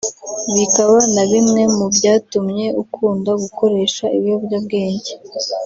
bikaba na bimwe mu byatumye ukunda gukoresha ibiyobyabwenge